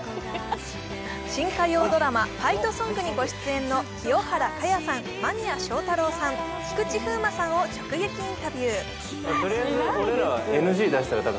新火曜ドラマ「ファイトソング」にご出演の清原果耶さん、間宮祥太朗さん、菊池風磨さんを直撃インタビュー。